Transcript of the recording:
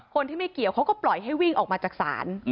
คนที่ไม่เกี่ยวเขาก็ปล่อยให้วิ่งออกมาจากศาล